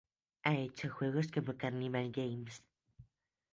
Ha hecho juegos como Carnival Games